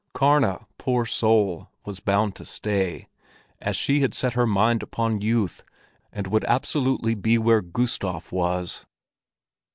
Karna, poor soul, was bound to stay, as she had set her mind upon youth, and would absolutely be where Gustav was!